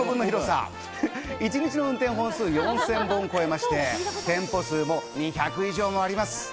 一日の運転本数４０００本を超えて、店舗数は１００以上あります。